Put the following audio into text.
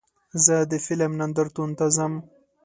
زه د فلم نندارتون ته ځم.